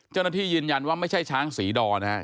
เจ้าหน้าที่ยืนยันว่าไม่ใช่ช้างศรีดอนะครับ